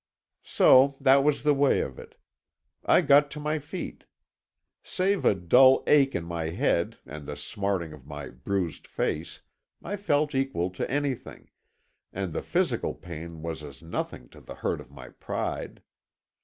So that was the way of it! I got to my feet. Save a dull ache in my head and the smarting of my bruised face, I felt equal to anything—and the physical pain was as nothing to the hurt of my pride.